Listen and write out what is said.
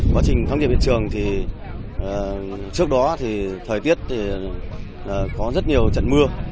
quá trình khám nghiệm hiện trường thì trước đó thì thời tiết thì có rất nhiều trận mưa